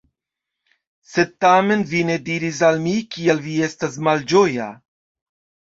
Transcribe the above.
Sed tamen vi ne diris al mi, kial vi estas malĝoja.